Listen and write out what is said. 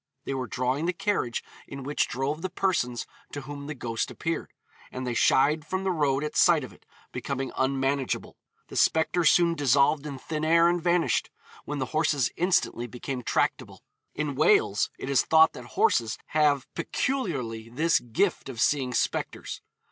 They were drawing the carriage in which drove the persons to whom the ghost appeared, and they shied from the road at sight of it, becoming unmanageable. The spectre soon dissolved in thin air and vanished, when the horses instantly became tractable. In Wales it is thought that horses have peculiarly this 'gift' of seeing spectres.